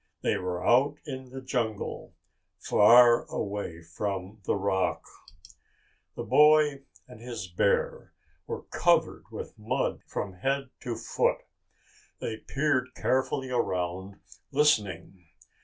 They were out in the jungle, far away from the rock! The boy and his bear were covered with mud from head to foot. They peered carefully around, listening.